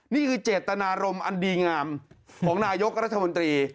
นี่คือเจตนารมณ์อันดีงามของนายกรัฐมนตรี